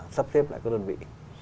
sắp xếp lại các đơn vị